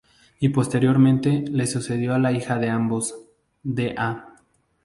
Y posteriormente, le sucedió la hija de ambos, Dª.